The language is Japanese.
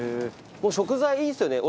食材いいっすよね？